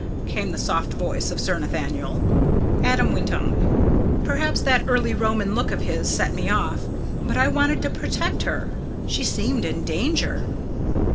came the soft voice of Sir Nathaniel. Adam went on: "Perhaps that early Roman look of his set me off. But I wanted to protect her; she seemed in danger."